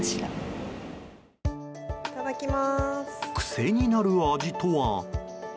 癖になる味とは。